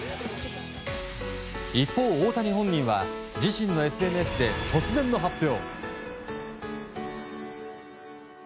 一方、大谷本人は自身のＳＮＳで突然の発表。